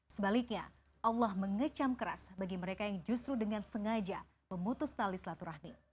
sebaliknya allah mengecam keras bagi mereka yang justru dengan sengaja memutus tali selaturahmi